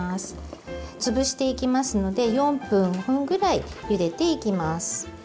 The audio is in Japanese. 潰していきますので４分５分くらいゆでていきます。